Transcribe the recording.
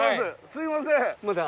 すいません。